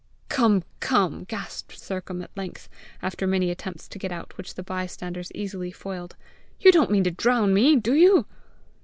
"Come! Come!" gasped Sercombe at length, after many attempts to get out which, the bystanders easily foiled "you don't mean to drown me, do you?"